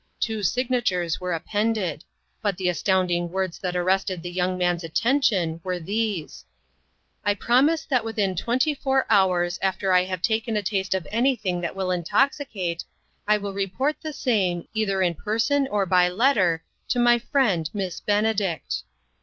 Two signatures were appended ; but the astounding words that arrested the young man's attention were these :" I promise that within twenty four hours after I have taken a taste of anything that will intoxicate, I will report the same, either in person or by letter, to my friend, Miss Benedict."